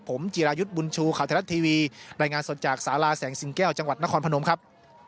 ผมจิรายุทธ์บุญชูข่าวไทยรัฐทีวีรายงานสดจากสาราแสงสิงแก้วจังหวัดนครพนมครับ